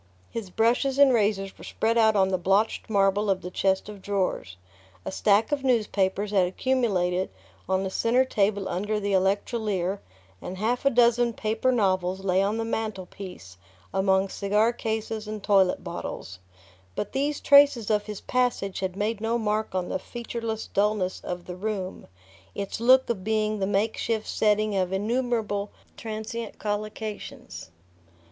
His brushes and razors were spread out on the blotched marble of the chest of drawers. A stack of newspapers had accumulated on the centre table under the "electrolier", and half a dozen paper novels lay on the mantelpiece among cigar cases and toilet bottles; but these traces of his passage had made no mark on the featureless dulness of the room, its look of being the makeshift setting of innumerable transient collocations.